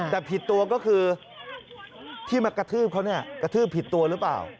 แต่ผิดตัวก็คือที่มากระทืบเขาเนี่ยกระทืบผิดตัวหรือเปล่า